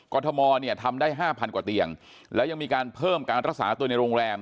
ทมเนี่ยทำได้๕๐๐กว่าเตียงแล้วยังมีการเพิ่มการรักษาตัวในโรงแรม